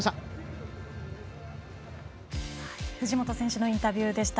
藤本選手のインタビューでした。